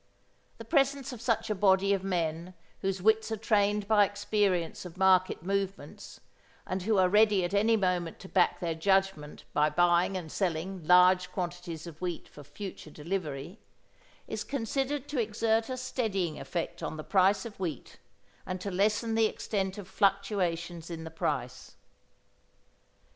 The presence of such a body of men whose wits are trained by experience of market movements, and who are ready at any moment to back their judgment by buying and selling large quantities of wheat for future delivery, is considered to exert a steadying effect on the price of wheat, and to lessen the extent of fluctuations in the price.